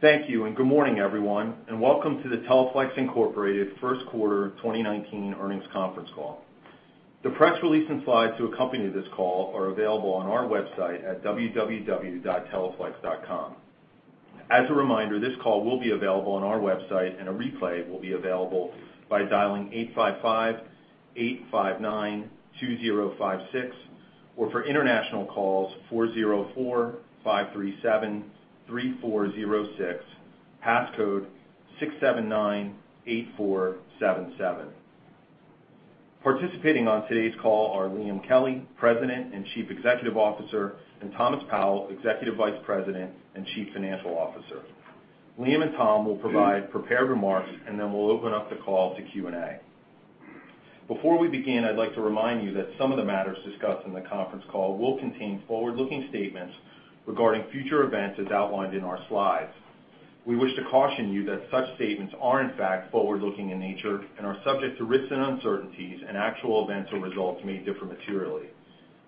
Thank you. Good morning, everyone, and welcome to the Teleflex Incorporated First Quarter 2019 Earnings Conference Call. The press release and slides to accompany this call are available on our website at www.teleflex.com. As a reminder, this call will be available on our website and a replay will be available by dialing 855-859-2056 or for international calls, 404-537-3406, passcode 6798477. Participating on today's call are Liam Kelly, President and Chief Executive Officer, and Thomas Powell, Executive Vice President and Chief Financial Officer. Liam and Tom will provide prepared remarks. Then we'll open up the call to Q&A. Before we begin, I'd like to remind you that some of the matters discussed in the conference call will contain forward-looking statements regarding future events as outlined in our slides. We wish to caution you that such statements are in fact forward-looking in nature and are subject to risks and uncertainties, and actual events or results may differ materially.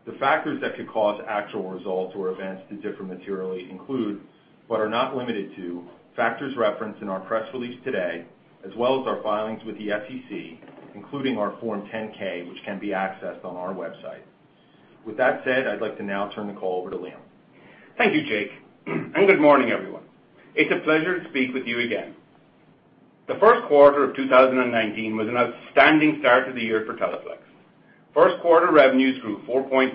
The factors that could cause actual results or events to differ materially include, but are not limited to, factors referenced in our press release today, as well as our filings with the SEC, including our Form 10-K, which can be accessed on our website. With that said, I'd like to now turn the call over to Liam. Thank you, Jake. Good morning, everyone. It's a pleasure to speak with you again. The first quarter of 2019 was an outstanding start to the year for Teleflex. First quarter revenues grew 4.5%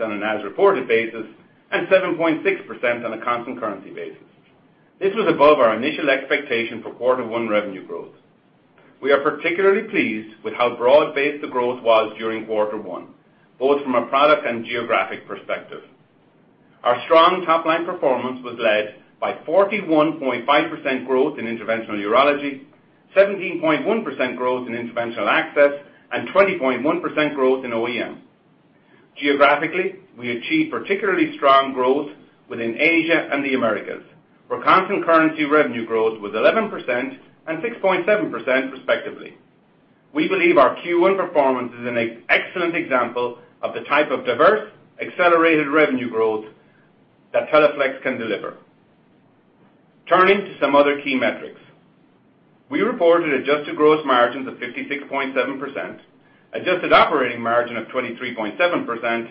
on an as-reported basis and 7.6% on a constant currency basis. This was above our initial expectation for quarter one revenue growth. We are particularly pleased with how broad-based the growth was during quarter one, both from a product and geographic perspective. Our strong top-line performance was led by 41.5% growth in Interventional Urology, 17.1% growth in interventional access, and 20.1% growth in OEM. Geographically, we achieved particularly strong growth within Asia and the Americas, where constant currency revenue growth was 11% and 6.7% respectively. We believe our Q1 performance is an excellent example of the type of diverse, accelerated revenue growth that Teleflex can deliver. Turning to some other key metrics. We reported adjusted gross margins of 56.7%, adjusted operating margin of 23.7%,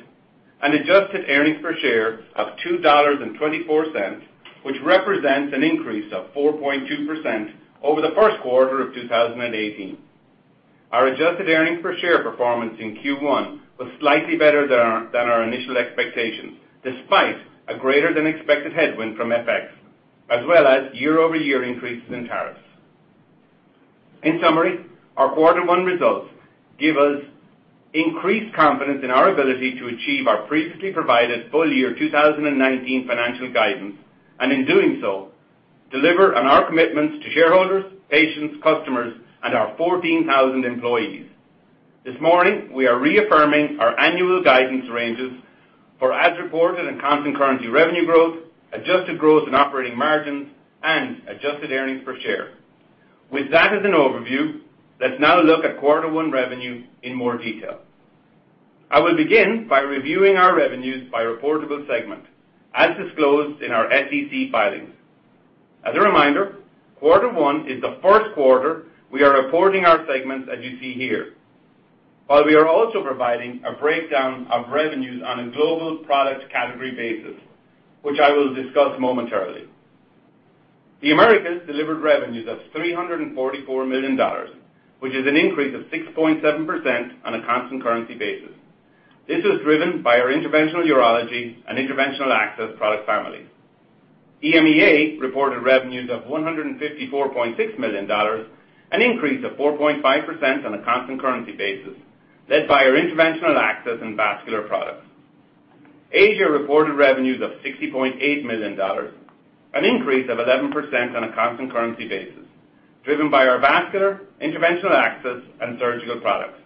and adjusted earnings per share of $2.24, which represents an increase of 4.2% over the first quarter of 2018. Our adjusted earnings per share performance in Q1 was slightly better than our initial expectations, despite a greater-than-expected headwind from FX, as well as year-over-year increases in tariffs. In summary, our quarter one results give us increased confidence in our ability to achieve our previously provided full year 2019 financial guidance, and in doing so, deliver on our commitments to shareholders, patients, customers, and our 14,000 employees. This morning, we are reaffirming our annual guidance ranges for as-reported and constant currency revenue growth, adjusted growth in operating margins, and adjusted earnings per share. With that as an overview, let's now look at quarter one revenue in more detail. I will begin by reviewing our revenues by reportable segment as disclosed in our SEC filings. As a reminder, quarter one is the first quarter we are reporting our segments as you see here. We are also providing a breakdown of revenues on a global product category basis, which I will discuss momentarily. The Americas delivered revenues of $344 million, which is an increase of 6.7% on a constant currency basis. This was driven by our Interventional Urology and Interventional Access product families. EMEA reported revenues of $154.6 million, an increase of 4.5% on a constant currency basis, led by our Interventional Access and vascular products. Asia reported revenues of $60.8 million, an increase of 11% on a constant currency basis, driven by our vascular, Interventional Access, and surgical products.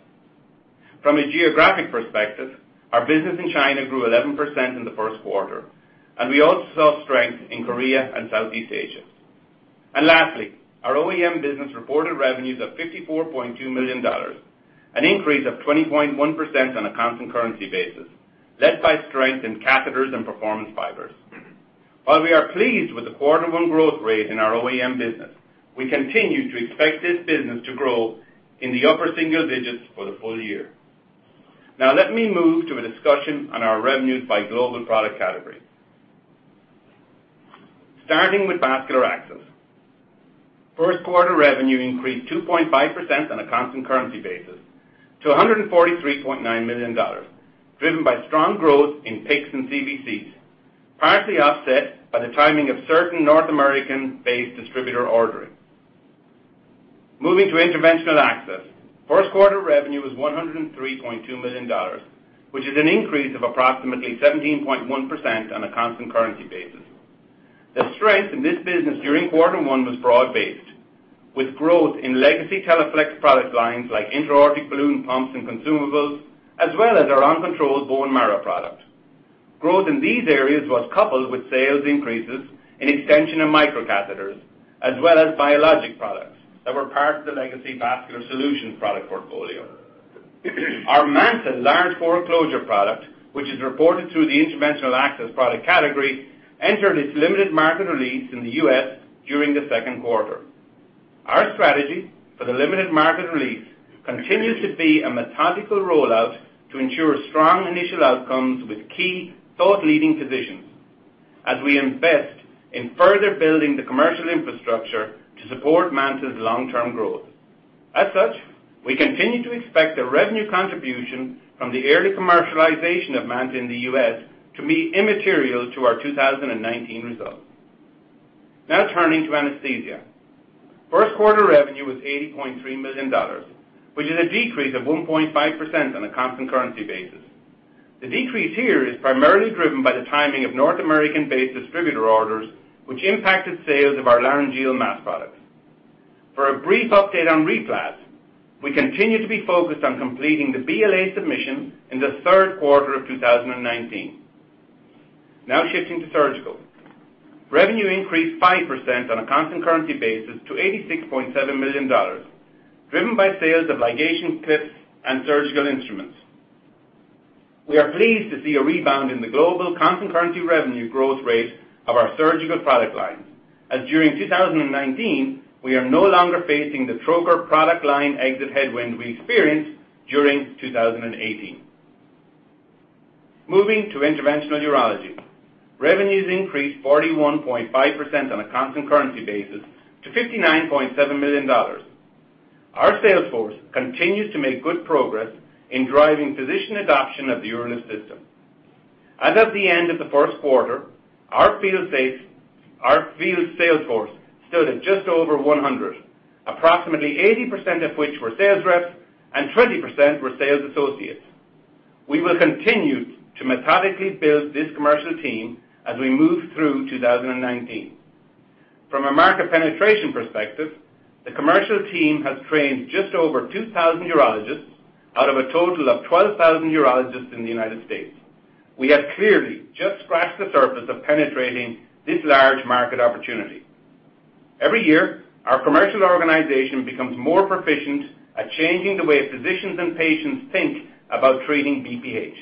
From a geographic perspective, our business in China grew 11% in the first quarter. We also saw strength in Korea and Southeast Asia. Lastly, our OEM business reported revenues of $54.2 million, an increase of 20.1% on a constant currency basis, led by strength in catheters and Performance Fibers. We are pleased with the quarter one growth rate in our OEM business. We continue to expect this business to grow in the upper single digits for the full year. Let me move to a discussion on our revenues by global product category. Starting with Vascular Access. First quarter revenue increased 2.5% on a constant currency basis to $143.9 million, driven by strong growth in PICCs and CVCs, partly offset by the timing of certain North American-based distributor ordering. Moving to Interventional Access. First quarter revenue was $103.2 million, which is an increase of approximately 17.1% on a constant currency basis. The strength in this business during quarter one was broad-based, with growth in legacy Teleflex product lines like intra-aortic balloon pumps and consumables, as well as our OnControl bone marrow product. Growth in these areas was coupled with sales increases in extension and micro catheters, as well as biologic products that were part of the legacy Vascular Solutions product portfolio. Our MANTA large bore closure product, which is reported through the Interventional Access product category, entered its limited market release in the U.S. during the second quarter. Our strategy for the limited market release continues to be a methodical rollout to ensure strong initial outcomes with key thought leading positions as we invest in further building the commercial infrastructure to support MANTA's long-term growth. As such, we continue to expect a revenue contribution from the early commercialization of MANTA in the U.S. to be immaterial to our 2019 results. Turning to Anesthesia. First quarter revenue was $80.3 million, which is a decrease of 1.5% on a constant currency basis. The decrease here is primarily driven by the timing of North American-based distributor orders, which impacted sales of our laryngeal mask products. For a brief update on RePlas, we continue to be focused on completing the BLA submission in the third quarter of 2019. Shifting to Surgical. Revenue increased 5% on a constant currency basis to $86.7 million, driven by sales of ligation clips and surgical instruments. We are pleased to see a rebound in the global constant currency revenue growth rate of our surgical product lines, as during 2019, we are no longer facing the trocar product line exit headwind we experienced during 2018. Moving to Interventional Urology, revenues increased 41.5% on a constant currency basis to $59.7 million. Our sales force continues to make good progress in driving physician adoption of the UroLift System. As of the end of the first quarter, our field sales force stood at just over 100, approximately 80% of which were sales reps and 20% were sales associates. We will continue to methodically build this commercial team as we move through 2019. From a market penetration perspective, the commercial team has trained just over 2,000 urologists out of a total of 12,000 urologists in the United States. We have clearly just scratched the surface of penetrating this large market opportunity. Every year, our commercial organization becomes more proficient at changing the way physicians and patients think about treating BPH,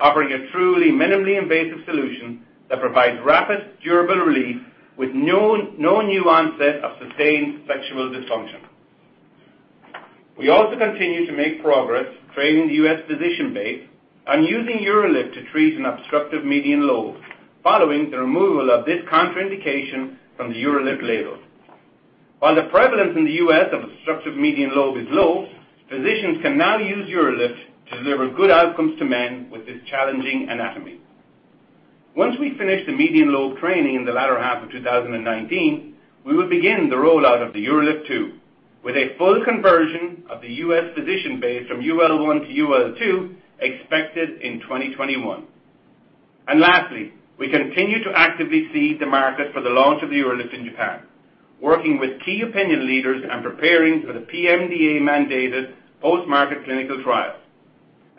offering a truly minimally invasive solution that provides rapid, durable relief with no new onset of sustained sexual dysfunction. We also continue to make progress training the U.S. physician base on using UroLift to treat an obstructive median lobe following the removal of this contraindication from the UroLift label. While the prevalence in the U.S. of obstructive median lobe is low, physicians can now use UroLift to deliver good outcomes to men with this challenging anatomy. Once we finish the median lobe training in the latter half of 2019, we will begin the rollout of the UroLift 2 with a full conversion of the U.S. physician base from UL1 to UL2 expected in 2021. Lastly, we continue to actively seed the market for the launch of the UroLift in Japan, working with key opinion leaders and preparing for the PMDA-mandated post-market clinical trials.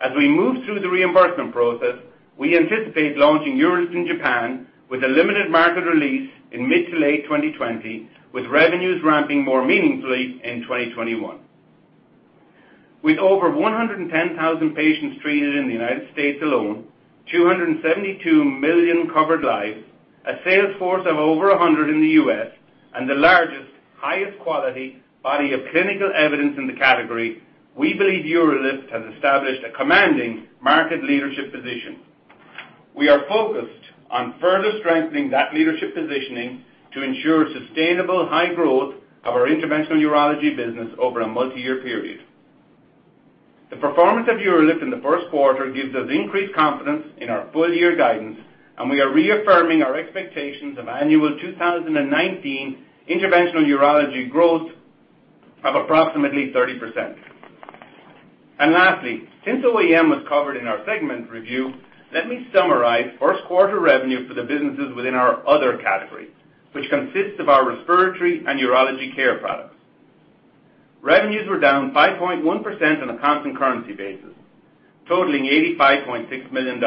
As we move through the reimbursement process, we anticipate launching UroLift in Japan with a limited market release in mid to late 2020, with revenues ramping more meaningfully in 2021. With over 110,000 patients treated in the United States alone, 272 million covered lives, a sales force of over 100 in the U.S., and the largest, highest quality body of clinical evidence in the category, we believe UroLift has established a commanding market leadership position. We are focused on further strengthening that leadership positioning to ensure sustainable high growth of our Interventional Urology business over a multi-year period. The performance of UroLift in the first quarter gives us increased confidence in our full-year guidance, and we are reaffirming our expectations of annual 2019 Interventional Urology growth of approximately 30%. Lastly, since OEM was covered in our segment review, let me summarize first quarter revenue for the businesses within our other category, which consists of our respiratory and urology care products. Revenues were down 5.1% on a constant currency basis, totaling $85.6 million.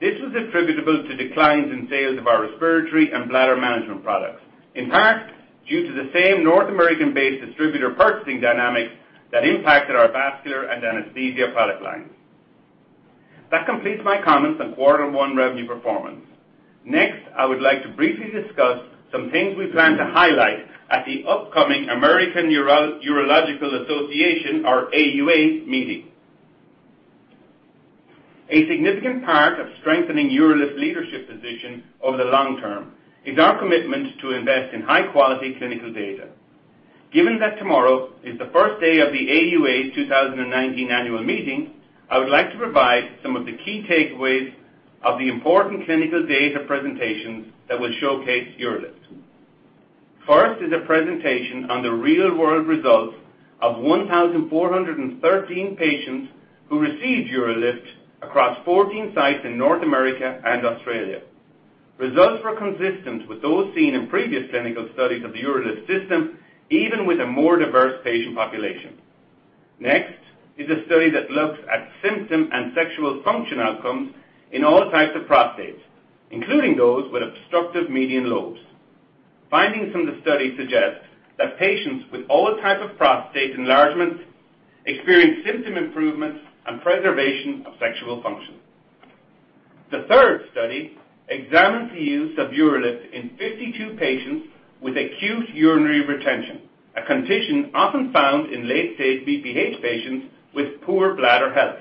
This was attributable to declines in sales of our respiratory and bladder management products, in part due to the same North American-based distributor purchasing dynamics that impacted our vascular and anesthesia product lines. That completes my comments on quarter one revenue performance. Next, I would like to briefly discuss some things we plan to highlight at the upcoming American Urological Association, or AUA, meeting. A significant part of strengthening UroLift's leadership position over the long term is our commitment to invest in high-quality clinical data. Given that tomorrow is the first day of the AUA's 2019 annual meeting, I would like to provide some of the key takeaways of the important clinical data presentations that will showcase UroLift. First is a presentation on the real-world results of 1,413 patients who received UroLift across 14 sites in North America and Australia. Results were consistent with those seen in previous clinical studies of the UroLift system, even with a more diverse patient population. Next is a study that looks at symptom and sexual function outcomes in all types of prostates, including those with obstructive median lobes. Findings from the study suggest that patients with all types of prostate enlargement experience symptom improvement and preservation of sexual function. The third study examines the use of UroLift in 52 patients with acute urinary retention, a condition often found in late-stage BPH patients with poor bladder health.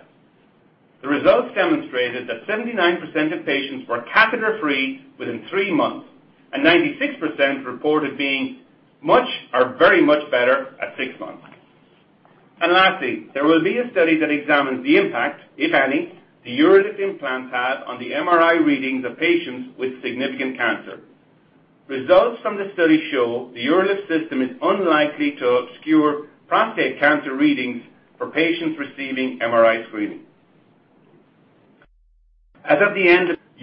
The results demonstrated that 79% of patients were catheter-free within three months, and 96% reported being much or very much better at six months. Lastly, there will be a study that examines the impact, if any, the UroLift implant has on the MRI readings of patients with significant cancer. Results from the study show the UroLift system is unlikely to obscure prostate cancer readings for patients receiving MRI screening.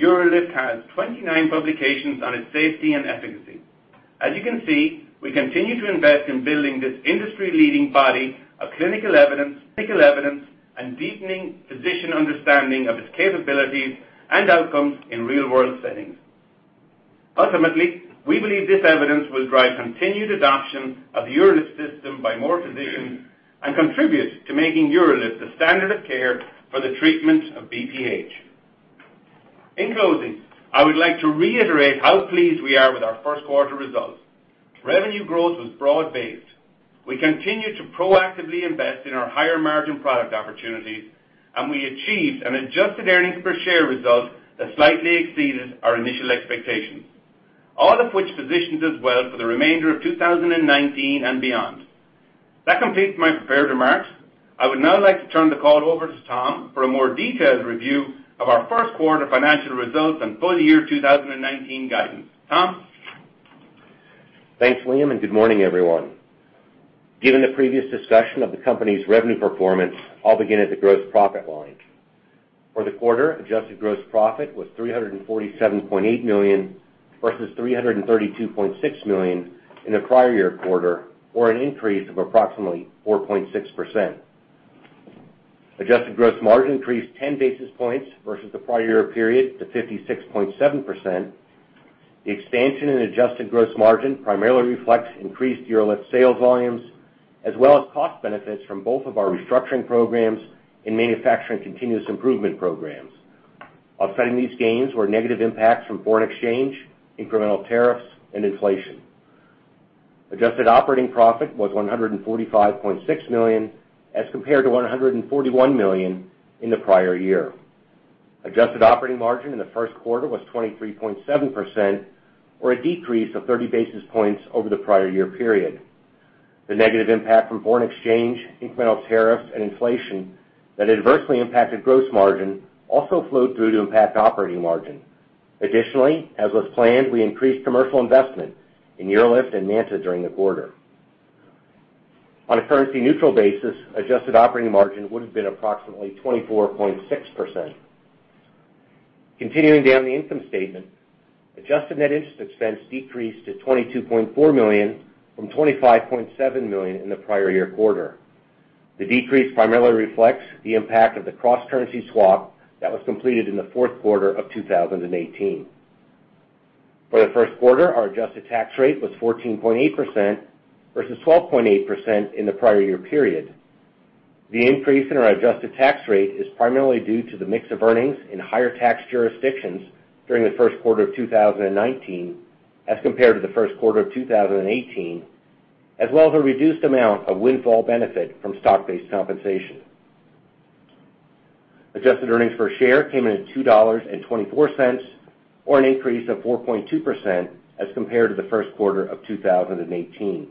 UroLift has 29 publications on its safety and efficacy. As you can see, we continue to invest in building this industry-leading body of clinical evidence, technical evidence, and deepening physician understanding of its capabilities and outcomes in real-world settings. Ultimately, we believe this evidence will drive continued adoption of the UroLift system by more physicians and contribute to making UroLift the standard of care for the treatment of BPH. In closing, I would like to reiterate how pleased we are with our first-quarter results. Revenue growth was broad-based. We continue to proactively invest in our higher-margin product opportunities, and we achieved an adjusted earnings per share result that slightly exceeded our initial expectations, all of which positions us well for the remainder of 2019 and beyond. That completes my prepared remarks. I would now like to turn the call over to Tom for a more detailed review of our first-quarter financial results and full-year 2019 guidance. Tom? Thanks, William. Good morning, everyone. Given the previous discussion of the company's revenue performance, I'll begin at the gross profit line. For the quarter, adjusted gross profit was $347.8 million, versus $332.6 million in the prior year quarter, or an increase of approximately 4.6%. Adjusted gross margin increased 10 basis points versus the prior year period to 56.7%. The expansion in adjusted gross margin primarily reflects increased UroLift sales volumes, as well as cost benefits from both of our restructuring programs and manufacturing continuous improvement programs. Offsetting these gains were negative impacts from foreign exchange, incremental tariffs, and inflation. Adjusted operating profit was $145.6 million, as compared to $141 million in the prior year. Adjusted operating margin in the first quarter was 23.7%, or a decrease of 30 basis points over the prior year period. The negative impact from foreign exchange, incremental tariffs, and inflation that adversely impacted gross margin also flowed through to impact operating margin. Additionally, as was planned, we increased commercial investment in UroLift and MANTA during the quarter. On a currency-neutral basis, adjusted operating margin would've been approximately 24.6%. Continuing down the income statement, adjusted net interest expense decreased to $22.4 million from $25.7 million in the prior year quarter. The decrease primarily reflects the impact of the cross-currency swap that was completed in the fourth quarter of 2018. For the first quarter, our adjusted tax rate was 14.8% versus 12.8% in the prior year period. The increase in our adjusted tax rate is primarily due to the mix of earnings in higher-tax jurisdictions during the first quarter of 2019 as compared to the first quarter of 2018, as well as a reduced amount of windfall benefit from stock-based compensation. Adjusted earnings per share came in at $2.24, or an increase of 4.2% as compared to the first quarter of 2018.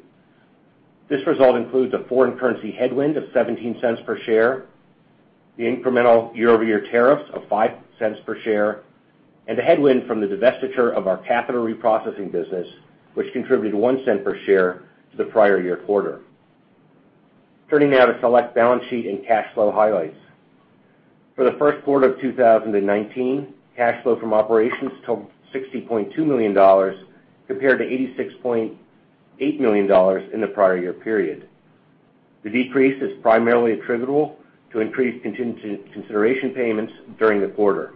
This result includes a foreign currency headwind of $0.17 per share, the incremental year-over-year tariffs of $0.05 per share, and a headwind from the divestiture of our catheter reprocessing business, which contributed $0.01 per share to the prior year quarter. Turning now to select balance sheet and cash flow highlights. For the first quarter of 2019, cash flow from operations totaled $60.2 million, compared to $86.8 million in the prior year period. The decrease is primarily attributable to increased contingent consideration payments during the quarter.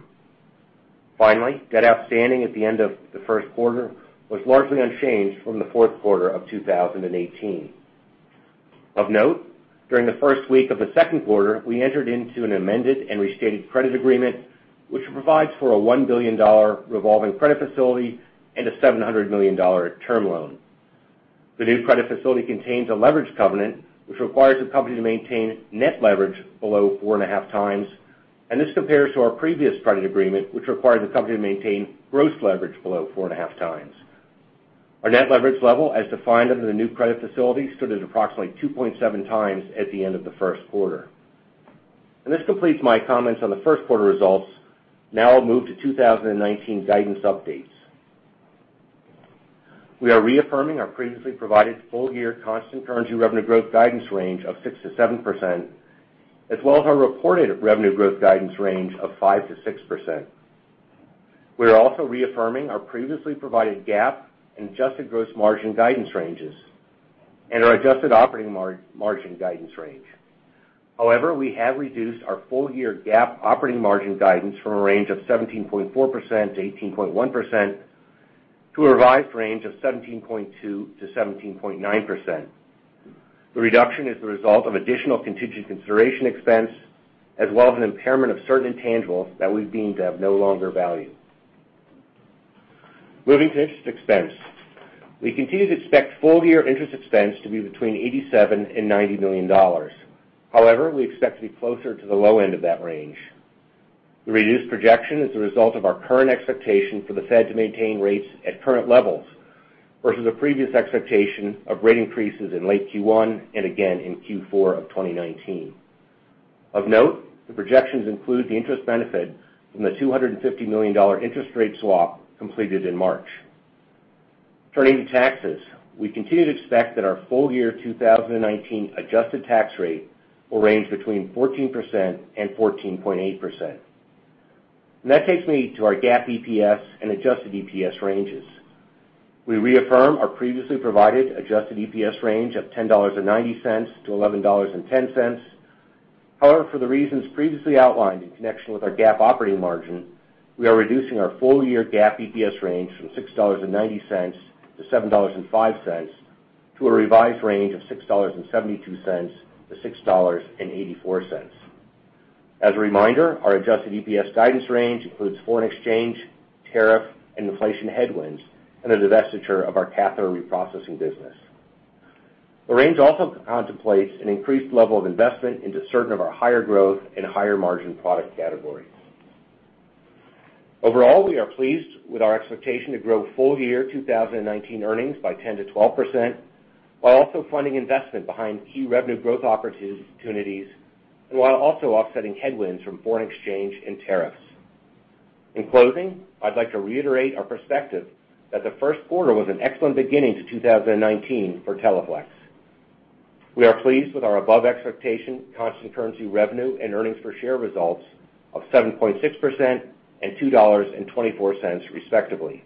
Finally, debt outstanding at the end of the first quarter was largely unchanged from the fourth quarter of 2018. Of note, during the first week of the second quarter, we entered into an amended and restated credit agreement, which provides for a $1 billion revolving credit facility and a $700 million term loan. The new credit facility contains a leverage covenant, which requires the company to maintain net leverage below four and a half times, and this compares to our previous credit agreement, which required the company to maintain gross leverage below four and a half times. Our net leverage level, as defined under the new credit facility, stood at approximately 2.7 times at the end of the first quarter. This completes my comments on the first quarter results. Now I'll move to 2019 guidance updates. We are reaffirming our previously provided full-year constant currency revenue growth guidance range of 6%-7%, as well as our reported revenue growth guidance range of 5%-6%. We are also reaffirming our previously provided GAAP and adjusted gross margin guidance ranges. Our adjusted operating margin guidance range. However, we have reduced our full-year GAAP operating margin guidance from a range of 17.4%-18.1% to a revised range of 17.2%-17.9%. The reduction is the result of additional contingent consideration expense, as well as an impairment of certain intangibles that we've deemed to have no longer value. Moving to interest expense. We continue to expect full-year interest expense to be between $87 and $90 million. However, we expect to be closer to the low end of that range. The reduced projection is the result of our current expectation for the Fed to maintain rates at current levels, versus a previous expectation of rate increases in late Q1 and again in Q4 of 2019. Of note, the projections include the interest benefit from the $250 million interest rate swap completed in March. Turning to taxes. We continue to expect that our full-year 2019 adjusted tax rate will range between 14% and 14.8%. That takes me to our GAAP EPS and adjusted EPS ranges. We reaffirm our previously provided adjusted EPS range of $10.90 to $11.10. However, for the reasons previously outlined in connection with our GAAP operating margin, we are reducing our full-year GAAP EPS range from $6.90 to $7.05 to a revised range of $6.72 to $6.84. As a reminder, our adjusted EPS guidance range includes foreign exchange, tariff, and inflation headwinds, and the divestiture of our catheter reprocessing business. The range also contemplates an increased level of investment into certain of our higher growth and higher margin product categories. Overall, we are pleased with our expectation to grow full-year 2019 earnings by 10% to 12%, while also funding investment behind key revenue growth opportunities, while also offsetting headwinds from foreign exchange and tariffs. In closing, I'd like to reiterate our perspective that the first quarter was an excellent beginning to 2019 for Teleflex. We are pleased with our above-expectation constant currency revenue and earnings per share results of 7.6% and $2.24, respectively.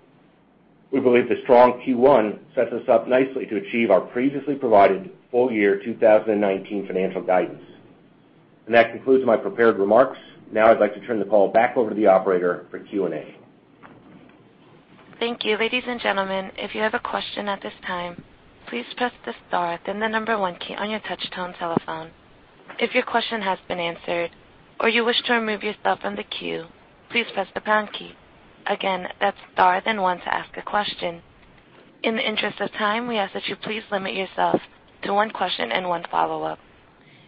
We believe the strong Q1 sets us up nicely to achieve our previously provided full-year 2019 financial guidance. That concludes my prepared remarks. Now I'd like to turn the call back over to the operator for Q&A. Thank you. Ladies and gentlemen, if you have a question at this time, please press the star, then the number one key on your touchtone telephone. If your question has been answered or you wish to remove yourself from the queue, please press the pound key. Again, that's star then one to ask a question. In the interest of time, we ask that you please limit yourself to one question and one follow-up.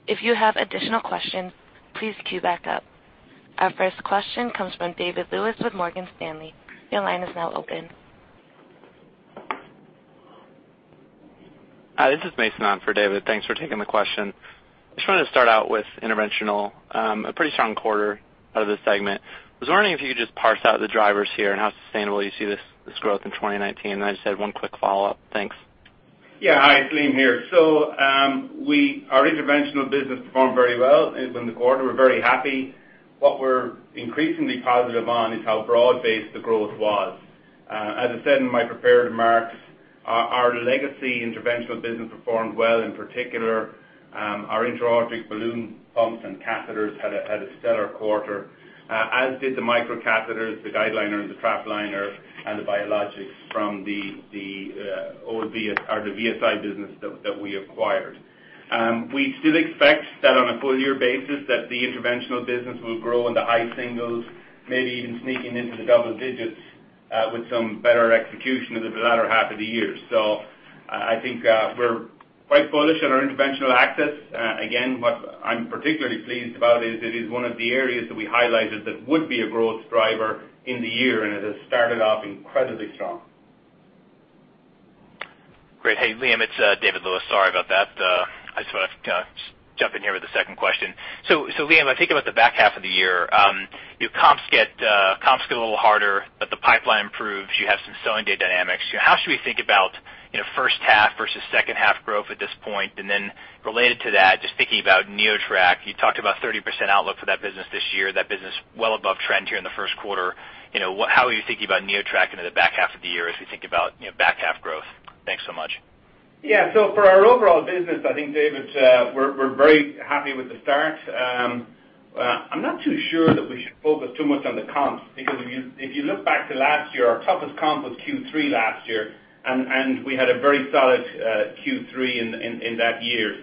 If you have additional questions, please queue back up. Our first question comes from David Lewis with Morgan Stanley. Your line is now open. Hi, this is Mason on for David. Thanks for taking the question. Just wanted to start out with Interventional. A pretty strong quarter out of the segment. Was wondering if you could just parse out the drivers here and how sustainable you see this growth in 2019. I just had one quick follow-up. Thanks. Yeah. Hi, it's Liam here. Our interventional business performed very well in the quarter. We're very happy. What we're increasingly positive on is how broad-based the growth was. As I said in my prepared remarks, our legacy interventional business performed well. In particular, our intra-aortic balloon pumps and catheters had a stellar quarter, as did the microcatheters, the GuideLiner and the TrapLiner, and the biologics from the VSI business that we acquired. We still expect that on a full-year basis that the interventional business will grow in the high singles, maybe even sneaking into the double digits, with some better execution in the latter half of the year. I think we're quite bullish on our interventional access. Again, what I'm particularly pleased about is it is one of the areas that we highlighted that would be a growth driver in the year, it has started off incredibly strong. Great. Hey, Liam, it's David Lewis. Sorry about that. I just want to jump in here with a second question. Liam, I think about the back half of the year, comps get a little harder, the pipeline improves. You have some selling data dynamics. How should we think about first half versus second half growth at this point? Related to that, just thinking about NeoTract. You talked about 30% outlook for that business this year. That business well above trend here in the first quarter. How are you thinking about NeoTract into the back half of the year as we think about back half growth? Thanks so much. Yeah. For our overall business, I think, David, we're very happy with the start. I'm not too sure that we should focus too much on the comps because if you look back to last year, our toughest comp was Q3 last year, we had a very solid Q3 in that year.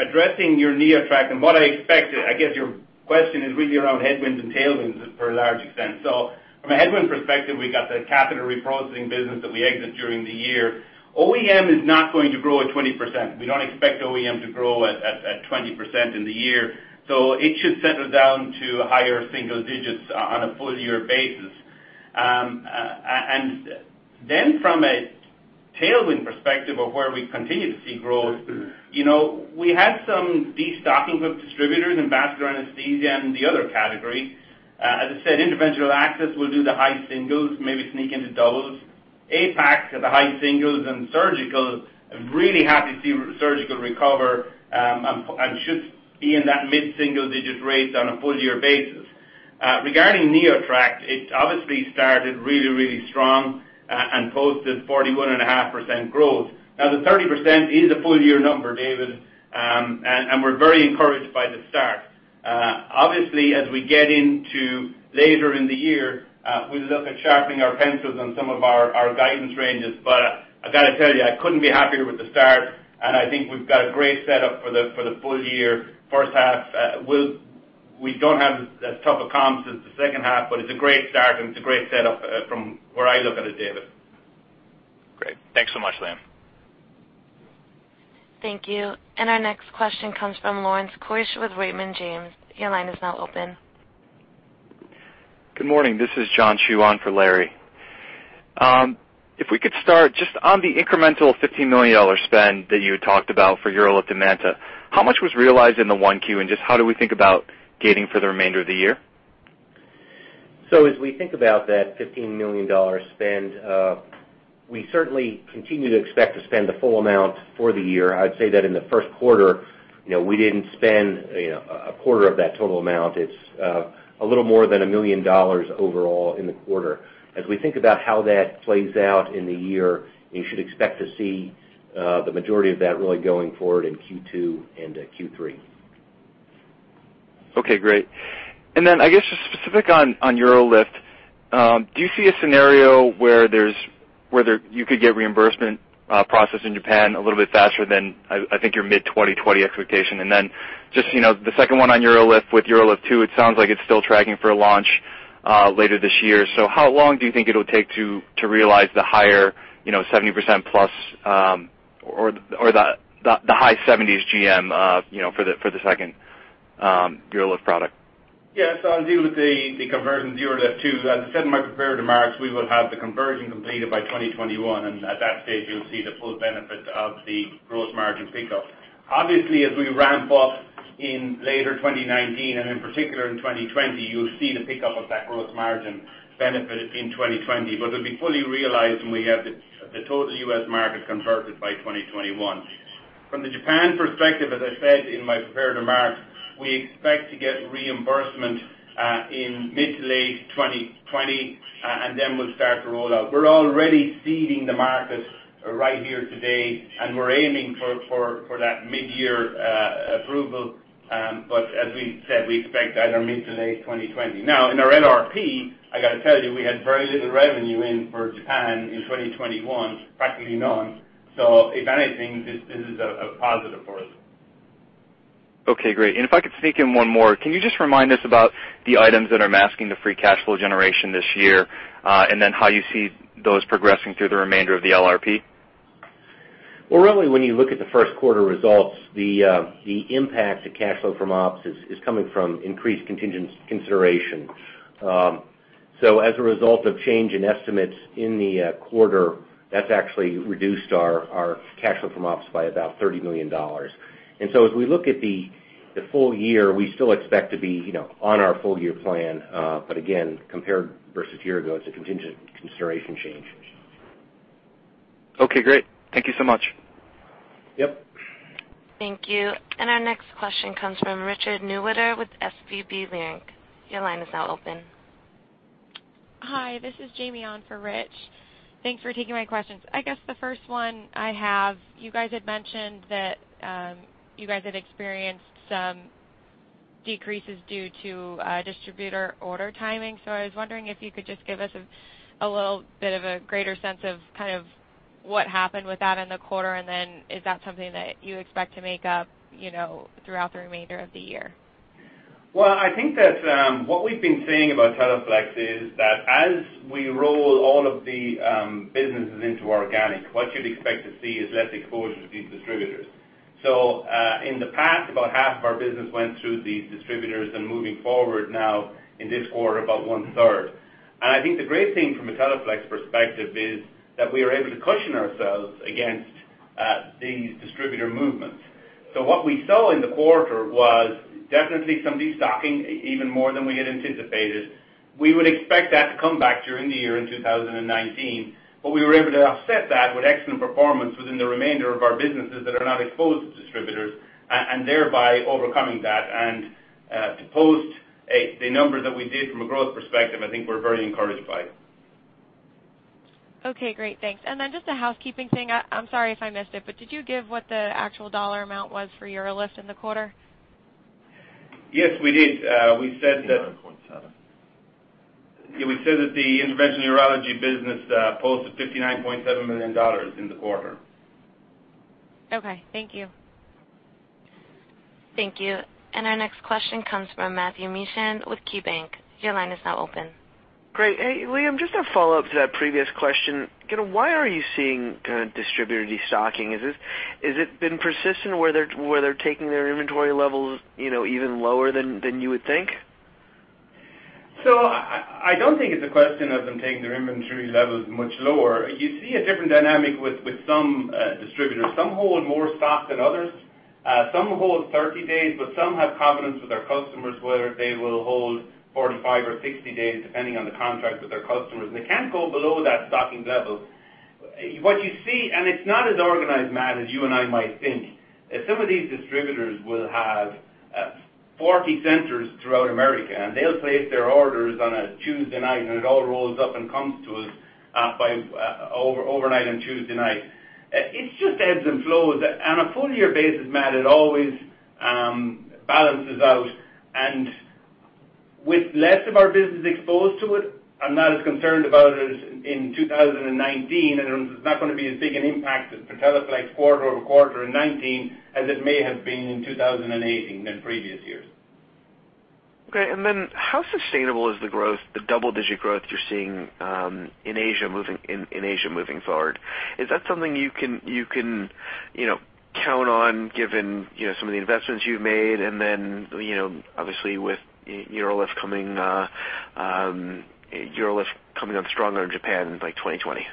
Addressing your NeoTract and what I expected, I guess your question is really around headwinds and tailwinds for a large extent. From a headwinds perspective, we got the catheter reprocessing business that we exit during the year. OEM is not going to grow at 20%. We don't expect OEM to grow at 20% in the year. It should settle down to higher single digits on a full-year basis. From a tailwind perspective of where we continue to see growth, we had some destocking of distributors in vascular anesthesia and the other category. As I said, interventional access will do the high singles, maybe sneak into doubles. APAC to the high singles. Surgical, I'm really happy to see surgical recover, should be in that mid-single-digit rates on a full-year basis. Regarding NeoTract, it obviously started really strong and posted 41.5% growth. The 30% is a full-year number, David, we're very encouraged by the start. Obviously, as we get into later in the year, we look at sharpening our pencils on some of our guidance ranges. I got to tell you, I couldn't be happier with the start, I think we've got a great setup for the full-year. First half, we don't have as tough a comps as the second half, it's a great start and it's a great setup from where I look at it, David. Great. Thanks so much, Liam. Thank you. Our next question comes from Lawrence Keusch with Raymond James. Your line is now open. Good morning. This is John Choi on for Larry. We could start just on the incremental $15 million spend that you had talked about for UroLift and MANTA. How much was realized in the Q1, and just how do we think about gating for the remainder of the year? As we think about that $15 million spend, we certainly continue to expect to spend the full amount for the year. I'd say that in the Q1, we didn't spend a quarter of that total amount. It's a little more than $1 million overall in the quarter. As we think about how that plays out in the year, you should expect to see the majority of that really going forward in Q2 and Q3. Okay, great. I guess just specific on UroLift, do you see a scenario where you could get reimbursement process in Japan a little bit faster than, I think, your mid-2020 expectation? Just the second one on UroLift with UroLift 2, it sounds like it's still tracking for a launch later this year. How long do you think it'll take to realize the higher 70% plus or the high 70s GM for the second UroLift product? Yeah. I'll deal with the conversion to UroLift 2. As I said in my prepared remarks, we will have the conversion completed by 2021, and at that stage, you'll see the full benefit of the gross margin pickup. Obviously, as we ramp up in later 2019, and in particular in 2020, you'll see the pickup of that gross margin benefit in 2020. It'll be fully realized when we have the total U.S. market converted by 2021. From the Japan perspective, as I said in my prepared remarks, we expect to get reimbursement in mid to late 2020. We'll start to roll out. We're already seeding the market right here today. We're aiming for that mid-year approval. As we said, we expect either mid to late 2020. In our LRP, I got to tell you, we had very little revenue in for Japan in 2021, practically none. If anything, this is a positive for us. Okay, great. If I could sneak in one more. Can you just remind us about the items that are masking the free cash flow generation this year, and then how you see those progressing through the remainder of the LRP? Well, really, when you look at the first quarter results, the impact to cash flow from ops is coming from increased contingents consideration. As a result of change in estimates in the quarter, that's actually reduced our cash flow from ops by about $30 million. As we look at the full year, we still expect to be on our full-year plan. Again, compared versus a year ago, it's a contingent consideration change. Okay, great. Thank you so much. Yep. Thank you. Our next question comes from Richard Newitter with SVB Leerink. Your line is now open. Hi, this is Jamie on for Rich. Thanks for taking my questions. I guess the first one I have, you guys had mentioned that you guys had experienced some decreases due to distributor order timing. I was wondering if you could just give us a little bit of a greater sense of kind of what happened with that in the quarter, is that something that you expect to make up throughout the remainder of the year? Well, I think that what we've been saying about Teleflex is that as we roll all of the businesses into organic, what you'd expect to see is less exposure to these distributors. In the past, about half of our business went through these distributors, moving forward now in this quarter, about one-third. I think the great thing from a Teleflex perspective is that we are able to cushion ourselves against these distributor movements. What we saw in the quarter was definitely some destocking, even more than we had anticipated. We would expect that to come back during the year in 2019. We were able to offset that with excellent performance within the remainder of our businesses that are not exposed to distributors, thereby overcoming that. To post the numbers that we did from a growth perspective, I think we're very encouraged by it. Okay, great. Thanks. Just a housekeeping thing. I'm sorry if I missed it, did you give what the actual dollar amount was for UroLift in the quarter? Yes, we did. We said. 59.7. Yeah, we said that the Interventional Urology business posted $59.7 million in the quarter. Okay. Thank you. Thank you. Our next question comes from Matthew Mishan with KeyBanc. Your line is now open. Great. Hey, Liam, just a follow-up to that previous question. Why are you seeing kind of distributor destocking? Has it been persistent where they're taking their inventory levels even lower than you would think? I don't think it's a question of them taking their inventory levels much lower. You see a different dynamic with some distributors. Some hold more stock than others. Some hold 30 days, but some have covenants with their customers where they will hold 45 or 60 days, depending on the contract with their customers. They can't go below that stocking level. What you see, and it's not as organized, Matt, as you and I might think. Some of these distributors will have 40 centers throughout America, and they'll place their orders on a Tuesday night, and it all rolls up and comes to us overnight on Tuesday night. It just ebbs and flows. On a full year basis, Matt, it always balances out. With less of our business exposed to it, I'm not as concerned about it as in 2019, and it's not going to be as big an impact to Teleflex quarter-over-quarter in 2019 as it may have been in 2018 and previous years. Okay, how sustainable is the double-digit growth you're seeing in Asia moving forward? Is that something you can count on given some of the investments you've made, and obviously with UroLift coming on stronger in Japan by 2020?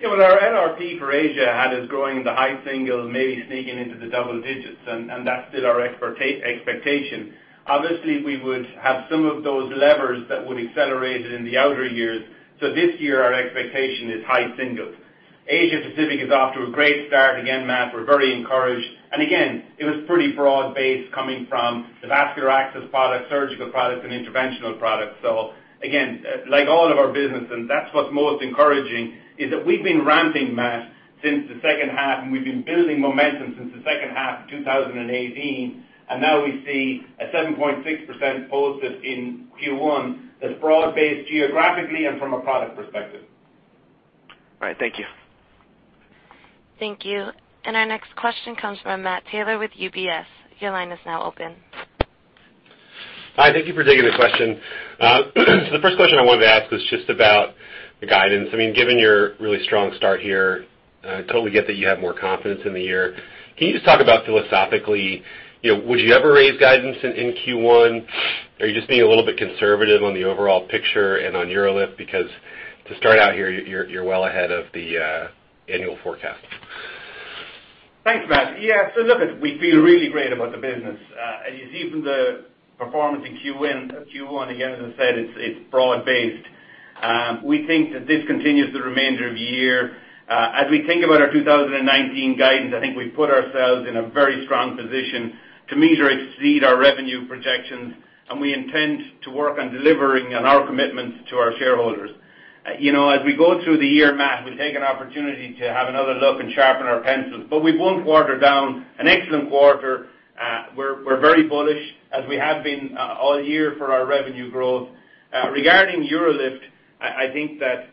Yeah. Well, our NRP for Asia had us growing in the high singles, maybe sneaking into the double digits, and that's still our expectation. Obviously, we would have some of those levers that would accelerate it in the outer years. This year, our expectation is high singles. Asia Pacific is off to a great start. Again, Matt, we're very encouraged. It was pretty broad-based coming from the vascular access products, surgical products, and interventional products. Again, like all of our businesses, that's what's most encouraging is that we've been ramping, Matt, since the second half, and we've been building momentum since the second half of 2018, and now we see a 7.6% posted in Q1 that's broad based geographically and from a product perspective. All right. Thank you. Thank you. Our next question comes from Matt Taylor with UBS. Your line is now open. Hi. Thank you for taking the question. The first question I wanted to ask was just about the guidance. Given your really strong start here, I totally get that you have more confidence in the year. Can you just talk about philosophically, would you ever raise guidance in Q1? Are you just being a little bit conservative on the overall picture and on UroLift? Because to start out here, you're well ahead of the annual forecast. Thanks, Matt. Yeah. Look, we feel really great about the business. As you see from the performance in Q1, again, as I said, it's broad-based. We think that this continues the remainder of the year. As we think about our 2019 guidance, I think we've put ourselves in a very strong position to meet or exceed our revenue projections, and we intend to work on delivering on our commitments to our shareholders. As we go through the year, Matt, we'll take an opportunity to have another look and sharpen our pencils. We won't water down an excellent quarter. We're very bullish, as we have been all year, for our revenue growth. Regarding UroLift, I think that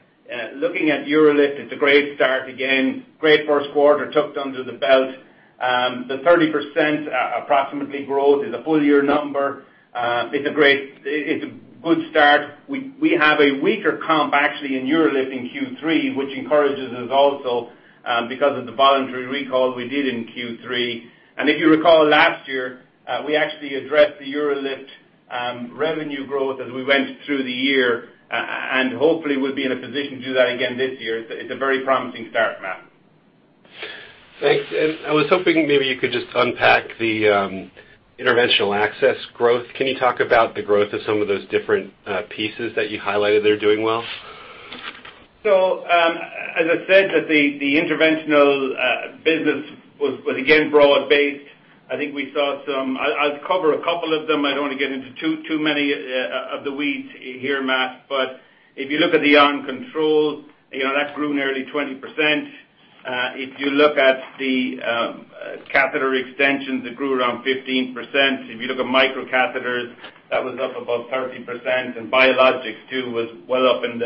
looking at UroLift, it's a great start. Again, great first quarter tucked under the belt. The 30% approximately growth is a full year number. It's a good start. We have a weaker comp actually in UroLift in Q3, which encourages us also because of the voluntary recall we did in Q3. If you recall last year, we actually addressed the UroLift revenue growth as we went through the year. Hopefully we'll be in a position to do that again this year. It's a very promising start, Matt. Thanks. I was hoping maybe you could just unpack the interventional access growth. Can you talk about the growth of some of those different pieces that you highlighted that are doing well? As I said that the interventional business was again broad-based. I'll cover a couple of them. I don't want to get into too many of the weeds here, Matt. If you look at the OnControl, that grew nearly 20%. If you look at the catheter extensions, it grew around 15%. If you look at micro catheters, that was up about 30%, and biologics too was well up in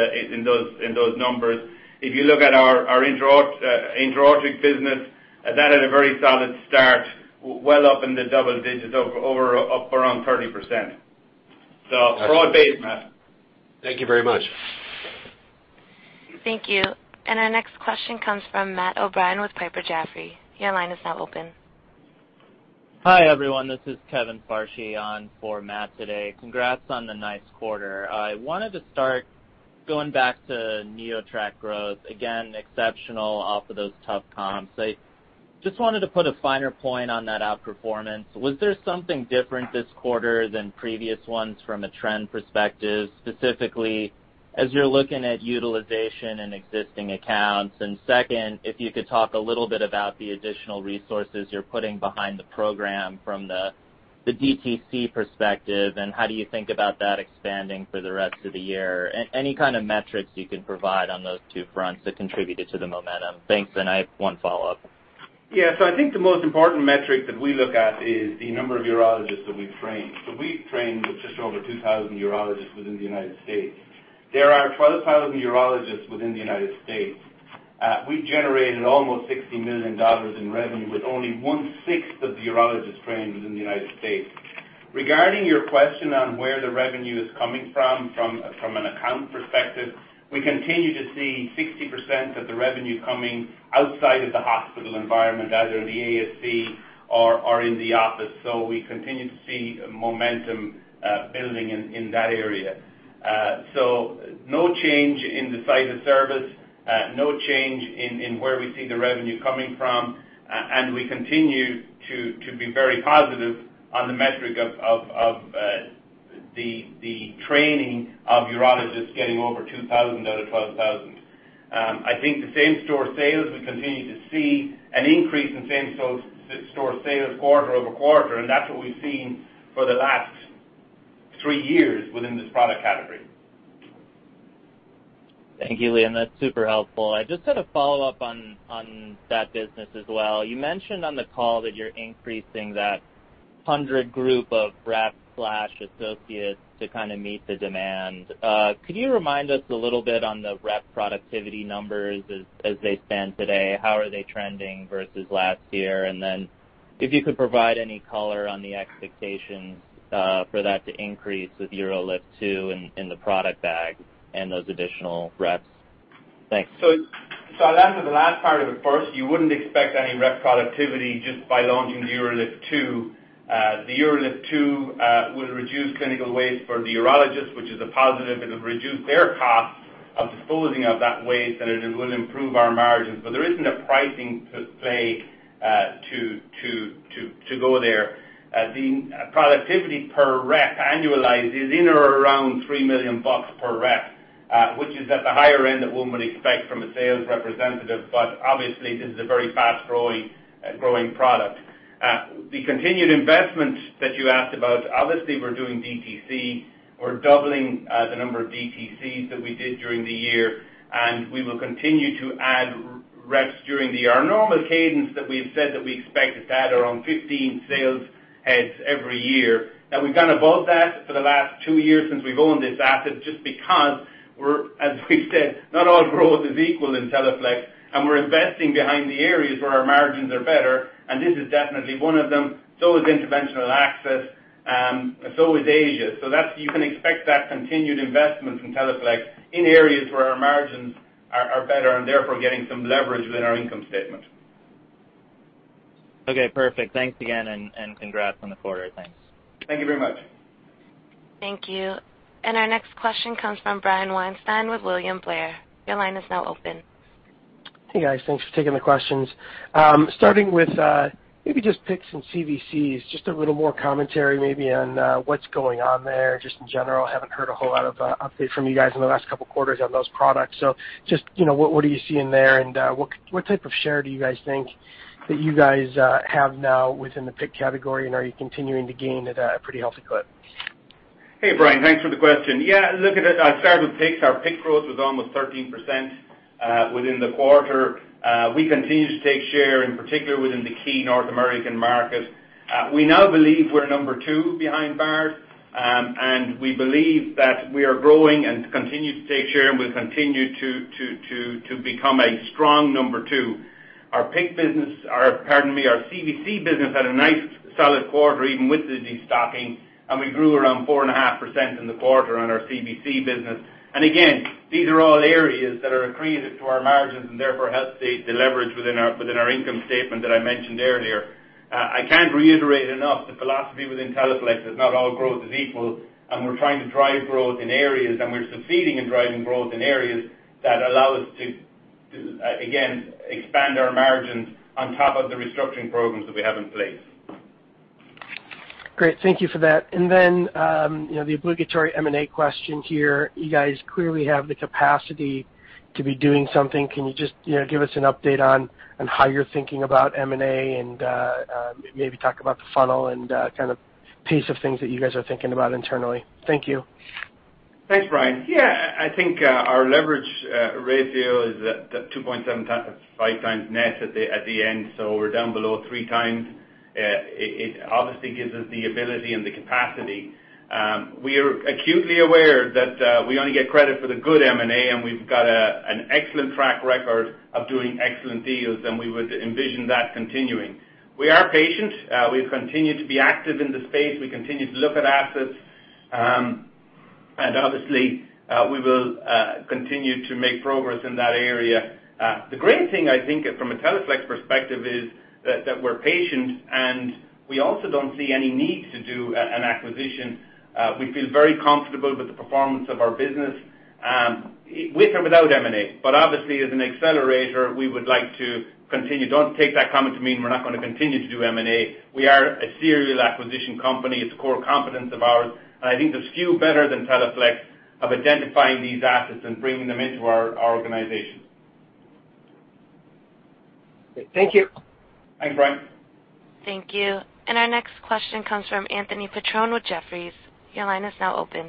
those numbers. If you look at our intra-arterial business, that had a very solid start, well up in the double digits, up around 30%. Broad-based, Matt. Thank you very much. Thank you. Our next question comes from Matt O'Brien with Piper Jaffray. Your line is now open. Hi, everyone. This is Kevin Farshchi on for Matt today. Congrats on the nice quarter. I wanted to start going back to NeoTract growth. Again, exceptional off of those tough comps. I just wanted to put a finer point on that outperformance. Was there something different this quarter than previous ones from a trend perspective, specifically as you're looking at utilization in existing accounts? Second, if you could talk a little bit about the additional resources you're putting behind the program from the DTC perspective, and how do you think about that expanding for the rest of the year? Any kind of metrics you can provide on those two fronts that contributed to the momentum. Thanks. I have one follow-up. Yeah. I think the most important metric that we look at is the number of urologists that we've trained. We've trained just over 2,000 urologists within the United States. There are 12,000 urologists within the United States. We generated almost $60 million in revenue with only one-sixth of the urologists trained within the United States. Regarding your question on where the revenue is coming from an account perspective, we continue to see 60% of the revenue coming outside of the hospital environment, either in the ASC or in the office. We continue to see momentum building in that area. No change in the site of service, no change in where we see the revenue coming from, and we continue to be very positive on the metric of the training of urologists getting over 2,000 out of 12,000. I think the same-store sales, we continue to see an increase in same-store sales quarter-over-quarter, and that's what we've seen for the last three years within this product category. Thank you, Liam. That's super helpful. I just had a follow-up on that business as well. You mentioned on the call that you're increasing that 100-group of reps/associates to meet the demand. Could you remind us a little bit on the rep productivity numbers as they stand today? How are they trending versus last year? And then if you could provide any color on the expectations for that to increase with UroLift 2 and the product bag and those additional reps. Thanks. I'll answer the last part of it first. You wouldn't expect any rep productivity just by launching the UroLift 2. The UroLift 2 will reduce clinical waste for the urologist, which is a positive. It'll reduce their cost of disposing of that waste, and it will improve our margins. There isn't a pricing play to go there. The productivity per rep annualized is in or around $3 million per rep, which is at the higher end of what one would expect from a sales representative, but obviously, this is a very fast-growing product. The continued investment that you asked about, obviously, we're doing DTC. We're doubling the number of DTCs that we did during the year, and we will continue to add reps during the year. Our normal cadence that we've said that we expect is to add around 15 sales heads every year. We've gone above that for the last two years since we've owned this asset just because we're, as we've said, not all growth is equal in Teleflex, and we're investing behind the areas where our margins are better, and this is definitely one of them. Interventional access. Asia. You can expect that continued investment from Teleflex in areas where our margins are better and therefore getting some leverage within our income statement. Okay, perfect. Thanks again, congrats on the quarter. Thanks. Thank you very much. Thank you. Our next question comes from Brian Weinstein with William Blair. Your line is now open. Hey, guys. Thanks for taking the questions. Starting with maybe just PICC and CVCs, just a little more commentary maybe on what's going on there, just in general. Haven't heard a whole lot of update from you guys in the last couple of quarters on those products. Just what are you seeing there, and what type of share do you guys think that you guys have now within the PICC category, and are you continuing to gain at a pretty healthy clip? Hey, Brian. Thanks for the question. Yeah, look at it. I'll start with PICCs. Our PICC growth was almost 13% within the quarter. We continue to take share, in particular within the key North American market. We now believe we're number two behind Bard, and we believe that we are growing and continue to take share, and we'll continue to become a strong number two. Our PICC business, pardon me, our CVC business had a nice solid quarter even with the de-stocking, and we grew around four and a half percent in the quarter on our CVC business. Again, these are all areas that are accretive to our margins and therefore help the leverage within our income statement that I mentioned earlier. I can't reiterate enough the philosophy within Teleflex that not all growth is equal, and we're trying to drive growth in areas, and we're succeeding in driving growth in areas that allow us to, again, expand our margins on top of the restructuring programs that we have in place. Great. Thank you for that. Then the obligatory M&A question here. You guys clearly have the capacity to be doing something. Can you just give us an update on how you're thinking about M&A and maybe talk about the funnel and kind of piece of things that you guys are thinking about internally? Thank you. Thanks, Brian. Yeah, I think our leverage ratio is at 2.75 times net at the end, so we're down below three times. It obviously gives us the ability and the capacity. We are acutely aware that we only get credit for the good M&A, and we've got an excellent track record of doing excellent deals, and we would envision that continuing. We are patient. We continue to be active in the space. We continue to look at assets. Obviously, we will continue to make progress in that area. The great thing, I think from a Teleflex perspective is that we're patient, and we also don't see any need to do an acquisition. We feel very comfortable with the performance of our business with or without M&A. Obviously, as an accelerator, we would like to continue. Don't take that comment to mean we're not going to continue to do M&A. We are a serial acquisition company. It's a core competence of ours, and I think there's few better than Teleflex of identifying these assets and bringing them into our organization. Thank you. Thanks, Brian. Thank you. Our next question comes from Anthony Petrone with Jefferies. Your line is now open.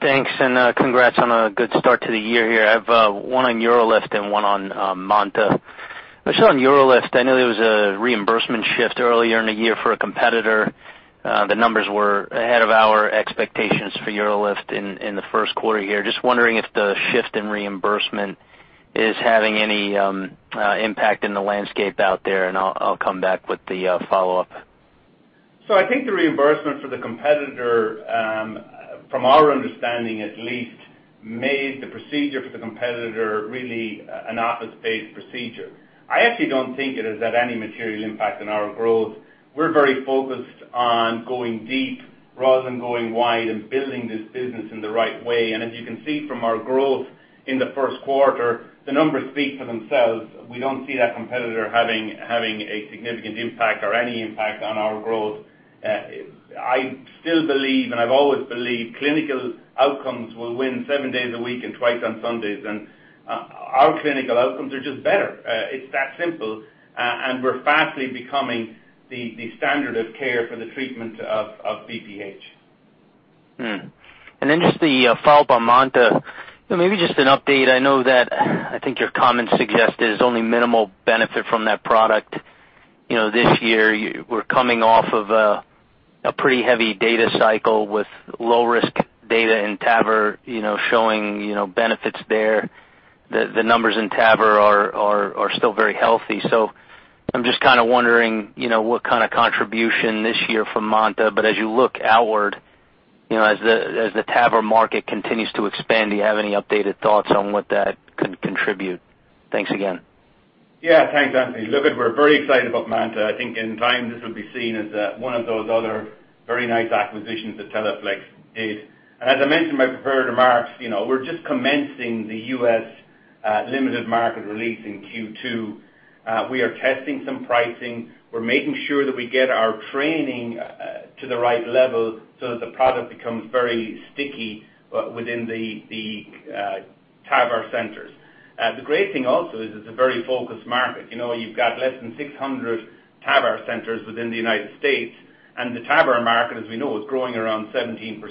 Thanks. Congrats on a good start to the year here. I have one on UroLift and one on MANTA. Just on UroLift, I know there was a reimbursement shift earlier in the year for a competitor. The numbers were ahead of our expectations for UroLift in the first quarter here. Just wondering if the shift in reimbursement is having any impact in the landscape out there. I'll come back with the follow-up. I think the reimbursement for the competitor from our understanding at least made the procedure for the competitor really an office-based procedure. I actually don't think it has had any material impact on our growth. We're very focused on going deep rather than going wide and building this business in the right way. As you can see from our growth in the first quarter, the numbers speak for themselves. We don't see that competitor having a significant impact or any impact on our growth. I still believe, and I've always believed clinical outcomes will win seven days a week and twice on Sundays. Our clinical outcomes are just better. It's that simple. We're fastly becoming the standard of care for the treatment of BPH. Just the follow-up on MANTA. Maybe just an update. I know that I think your comments suggest there's only minimal benefit from that product. This year, we're coming off of a pretty heavy data cycle with low-risk data in TAVR showing benefits there. The numbers in TAVR are still very healthy. I'm just kind of wondering what kind of contribution this year from MANTA, but as you look outward, as the TAVR market continues to expand, do you have any updated thoughts on what that could contribute? Thanks again. Thanks, Anthony. Look, we're very excited about MANTA. I think in time, this will be seen as one of those other very nice acquisitions that Teleflex is. As I mentioned in my prepared remarks, we're just commencing the U.S. limited market release in Q2. We are testing some pricing. We're making sure that we get our training to the right level so that the product becomes very sticky within the TAVR centers. The great thing also is it's a very focused market. You've got less than 600 TAVR centers within the U.S., and the TAVR market, as we know, is growing around 17%.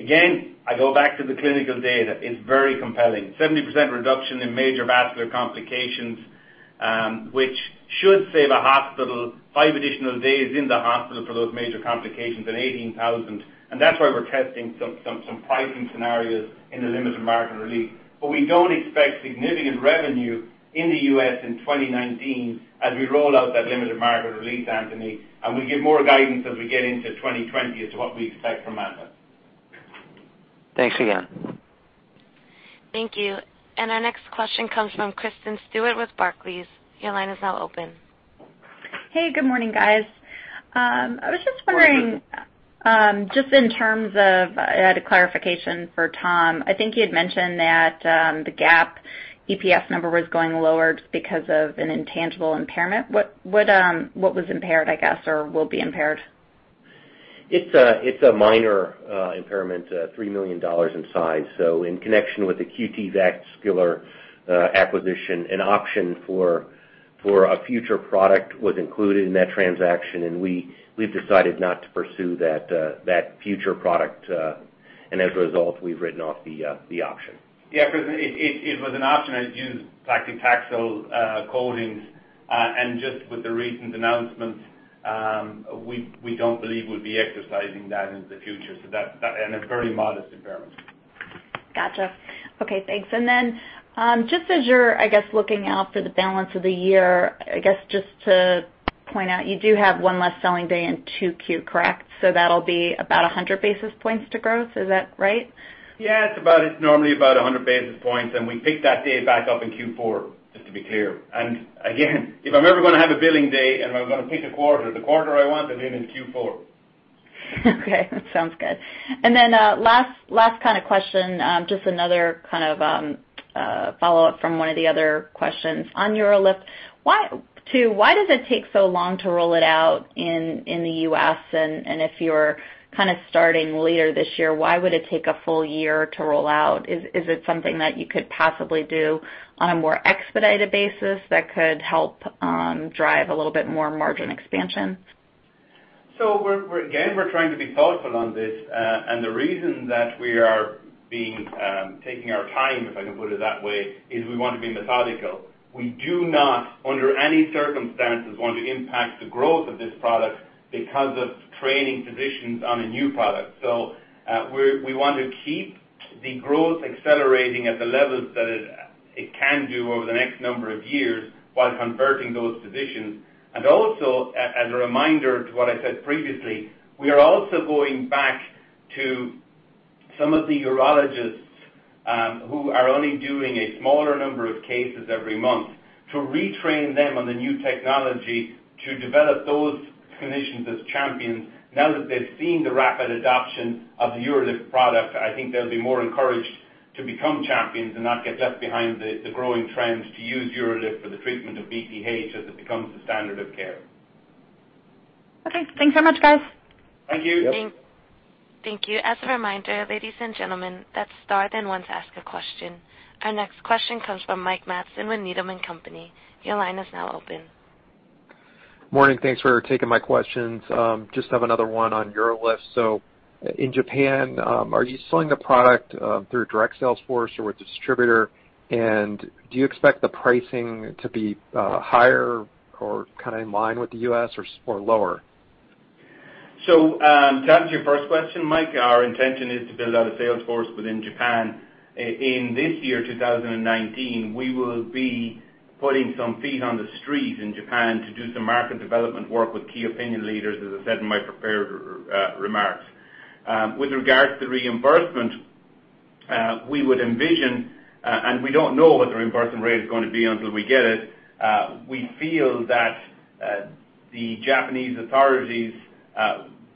Again, I go back to the clinical data. It's very compelling. 70% reduction in major vascular complications, which should save a hospital five additional days in the hospital for those major complications and $18,000. That's why we're testing some pricing scenarios in the limited market release. We don't expect significant revenue in the U.S. in 2019 as we roll out that limited market release, Anthony, and we give more guidance as we get into 2020 as to what we expect from MANTA. Thanks again. Thank you. Our next question comes from Kristen Stewart with Barclays. Your line is now open. Hey, good morning, guys. I was just wondering just in terms of, I had a clarification for Tom. I think you had mentioned that the GAAP EPS number was going lower just because of an intangible impairment. What was impaired, I guess, or will be impaired? It's a minor impairment, $3 million in size. In connection with the QT Vascular acquisition, an option for a future product was included in that transaction, and we've decided not to pursue that future product. As a result, we've written off the option. Yeah, Kristen it was an option that used paclitaxel coatings. Just with the recent announcements, we don't believe we'll be exercising that in the future. That, and a very modest impairment. Got you. Okay, thanks. Just as you're, I guess, looking out for the balance of the year, I guess, just to point out, you do have one less selling day in 2Q, correct? That'll be about 100 basis points to growth. Is that right? Yeah, it's normally about 100 basis points, and we pick that day back up in Q4, just to be clear. Again, if I'm ever going to have a billing day and I'm going to pick a quarter, the quarter I want that in is Q4. Okay, that sounds good. Last kind of question, just another kind of follow-up from one of the other questions. On UroLift, why does it take so long to roll it out in the U.S., and if you're kind of starting later this year, why would it take a full year to roll out? Is it something that you could possibly do on a more expedited basis that could help drive a little bit more margin expansion? Again, we're trying to be thoughtful on this. The reason that we are taking our time, if I can put it that way, is we want to be methodical. We do not, under any circumstances, want to impact the growth of this product because of training physicians on a new product. We want to keep the growth accelerating at the levels that it can do over the next number of years while converting those physicians. Also, as a reminder to what I said previously, we are also going back to some of the urologists who are only doing a smaller number of cases every month to retrain them on the new technology to develop those clinicians as champions. Now that they've seen the rapid adoption of the UroLift product, I think they'll be more encouraged to become champions and not get left behind the growing trends to use UroLift for the treatment of BPH as it becomes the standard of care. Okay. Thanks so much, guys. Thank you. Yep. Thank you. As a reminder, ladies and gentlemen, let's start and once ask a question. Our next question comes from Mike Matson with Needham & Company. Your line is now open. Morning. Thanks for taking my questions. Just have another one on UroLift. In Japan, are you selling the product through a direct sales force or a distributor? Do you expect the pricing to be higher or kind of in line with the U.S. or lower? To answer your first question, Mike, our intention is to build out a sales force within Japan. In this year, 2019, we will be putting some feet on the street in Japan to do some market development work with key opinion leaders, as I said in my prepared remarks. With regards to reimbursement, we would envision, and we don't know what the reimbursement rate is going to be until we get it. We feel that the Japanese authorities,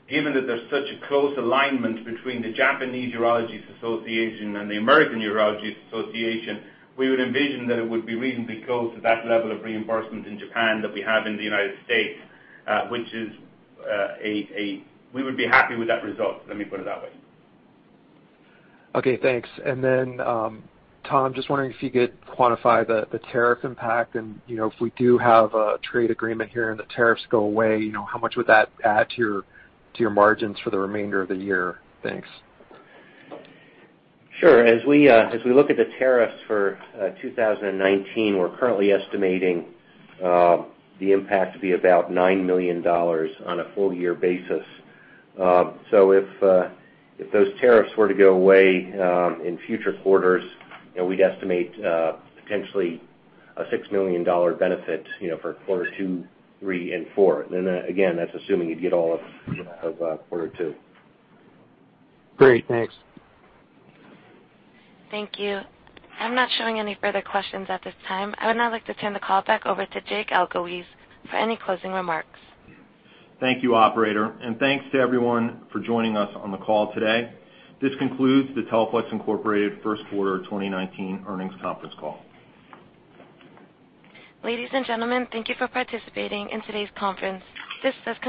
given that there's such a close alignment between the Japanese Urological Association and the American Urological Association, we would envision that it would be reasonably close to that level of reimbursement in Japan that we have in the United States, which is we would be happy with that result. Let me put it that way. Okay, thanks. Tom, just wondering if you could quantify the tariff impact and if we do have a trade agreement here and the tariffs go away, how much would that add to your margins for the remainder of the year? Thanks. Sure. As we look at the tariffs for 2019, we're currently estimating the impact to be about $9 million on a full-year basis. If those tariffs were to go away in future quarters, we'd estimate potentially a $6 million benefit for quarter two, three, and four. Again, that's assuming you'd get all of quarter two. Great. Thanks. Thank you. I'm not showing any further questions at this time. I would now like to turn the call back over to Jake Elguicze for any closing remarks. Thank you, operator. Thanks to everyone for joining us on the call today. This concludes the Teleflex Incorporated first quarter 2019 earnings conference call. Ladies and gentlemen, thank you for participating in today's conference. This does conclude